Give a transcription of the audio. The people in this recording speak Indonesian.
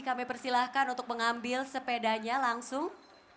kami persilahkan untuk mengambil sepedanya langsung